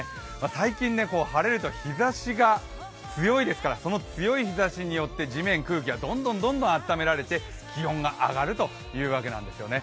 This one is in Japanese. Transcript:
最近晴れると日ざしが強いですから、その強い日ざしによって地面、空気がどんどんあっためられて気温が上がるというわけなんですよね。